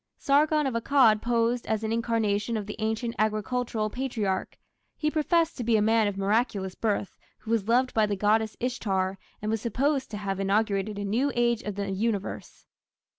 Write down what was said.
"Sargon of Akkad" posed as an incarnation of the ancient agricultural Patriarch: he professed to be a man of miraculous birth who was loved by the goddess Ishtar, and was supposed to have inaugurated a New Age of the Universe.